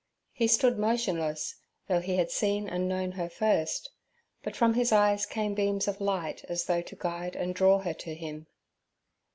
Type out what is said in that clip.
He stood motionless, though he had seen and known her first, but from his eyes came beams of light as though to guide and draw her to him.